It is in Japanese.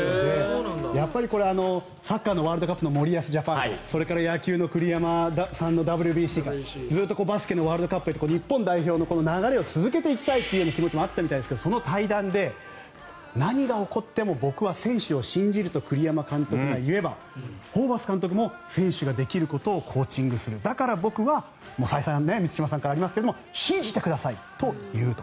やっぱりこれはサッカーのワールドカップの森保ジャパンそれから野球の栗山さんのＷＢＣからバスケのワールドカップへと日本代表の流れを続けていきたいという気持ちもあったようですがその対談で、何が起こっても僕は選手を信じると栗山監督が言えばホーバス監督も選手ができることをコーチングするだから僕は再三満島さんからありますけれど信じてくださいと言うと。